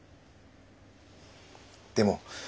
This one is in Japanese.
でも。